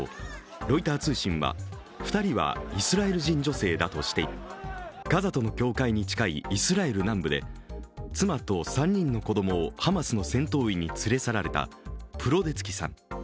ロイター通信は２人はイスラエル人女性だとしてガザとの境界に近い、イスラエル南部で妻と３人の子供をハマスの戦闘員に連れ去られたプロデツキさん。